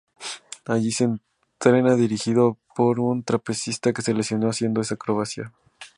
Allí se entrena dirigido por un trapecista que se lesionó haciendo esa acrobacia.